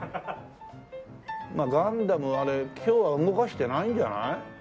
まあガンダムあれ今日は動かしてないんじゃない？